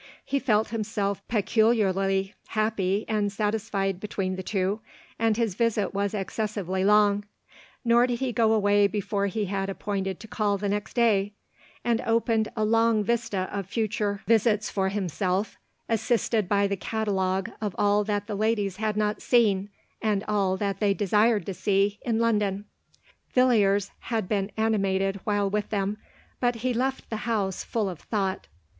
He felt him self peculiarly happy and satisfied between the two, and his visit was excessively long; nor did he go away before he had appointed to call th< next day, and opened a long vista of future 300 LODORE. visits for himself, assisted by the catalogue of all that the ladies had not seen, and all that they desired to see, in London. \ illiers had been animated while with them, but lie left the house full of thought.